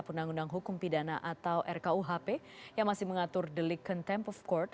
undang undang hukum pidana atau rkuhp yang masih mengatur delik contempt of court